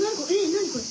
何これ？